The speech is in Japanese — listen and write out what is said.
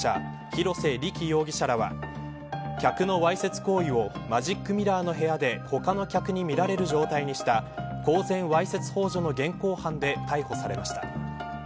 広瀬理基容疑者らは客のわいせつ行為をマジックミラーの部屋で他の客に見られる状態にした公然わいせつほう助の現行犯で逮捕されました。